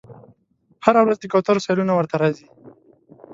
هره ورځ د کوترو سیلونه ورته راځي